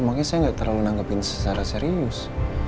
makanya saya gak terlalu nanggepin secara serius